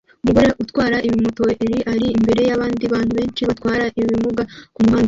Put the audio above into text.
Umugore utwara ibimoteri ari imbere yabandi bantu benshi batwara ibimuga kumuhanda